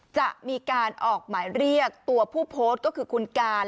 จะมีการออกหมายเรียกตัวผู้โพสต์ก็คือคุณการ